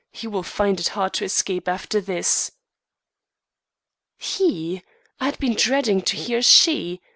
He will find it hard to escape after this." He! I had been dreading to hear a she.